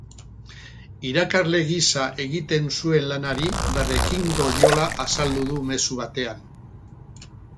Irakasle gisa egiten zuen lanari berrekingo diola azaldu du mezu batean.